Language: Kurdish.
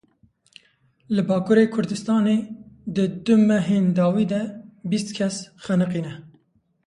Li Bakurê Kurdistanê di du mehên dawî de bîst kes xeniqîne.